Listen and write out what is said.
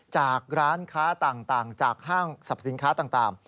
จากร้านค้าต่างจากห้างสรรพสินค้าต่าง